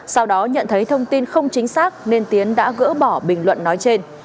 sau đó nhận thấy thông tin không chính xác nên tiến đã gỡ bỏ bình luận nói trên